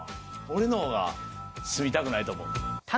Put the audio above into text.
俺の方が住みたくないと思う。